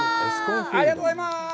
ありがとうございます。